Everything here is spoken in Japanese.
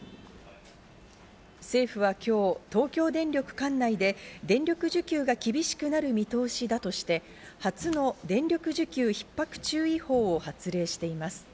政府は今日、東京電力管内で電力需給が厳しくなる見通しだとして、初の電力需給ひっ迫注意報を発令しています。